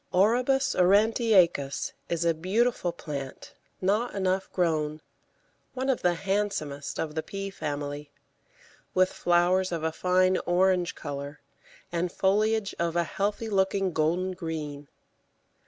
Orobus aurantiacus is a beautiful plant not enough grown, one of the handsomest of the Pea family, with flowers of a fine orange colour, and foliage of a healthy looking golden green.